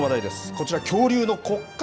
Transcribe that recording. こちら、恐竜の骨格